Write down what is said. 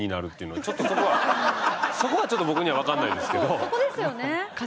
そこはちょっと僕にはわからないですけど。